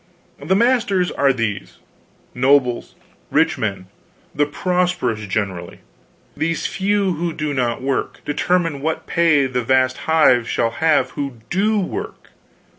The masters are these: nobles, rich men, the prosperous generally. These few, who do no work, determine what pay the vast hive shall have who do work.